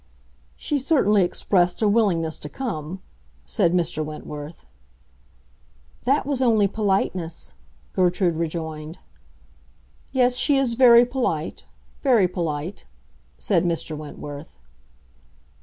"She certainly expressed a willingness to come," said Mr. Wentworth. "That was only politeness," Gertrude rejoined. "Yes, she is very polite—very polite," said Mr. Wentworth.